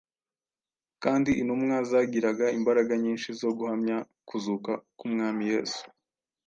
Kandi intumwa zagiraga imbaraga nyinshi zo guhamya kuzuka k’Umwami Yesu;